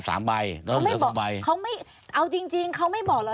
เขาไม่บอกเอาจริงเขาไม่บอกหรอ